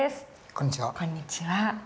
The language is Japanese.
こんにちは。